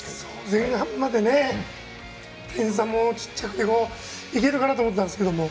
前半まで点差もちっちゃくていけるかなと思ったんですけども。